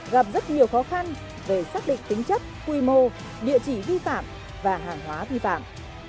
gặp rất nhiều khó khăn về xác định tính chất quy mô địa chỉ vi phạm và hàng hóa vi phạm